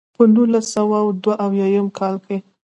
پۀ نولس سوه دوه اويا يم کال کښې